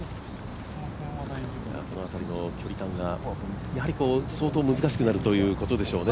この辺りの距離感がやはり相当難しくなるということでしょう。